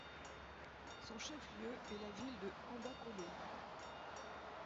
Son chef-lieu est la ville de Andacollo.